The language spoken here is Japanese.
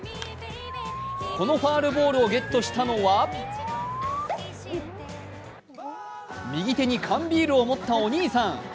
このファウルボールをゲットしたのは、右手に缶ビールを持ったお兄さん。